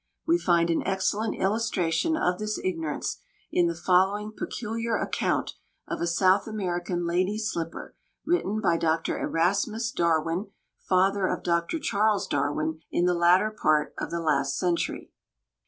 We find an excellent illustration of this ignorance in the following peculiar account of a South American lady's slipper, written by Dr. Erasmus Darwin, father of Dr. Charles Darwin, in the latter part of the last century.